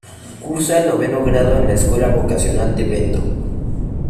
Cursa el noveno grado en la Escuela Vocacional de Vento.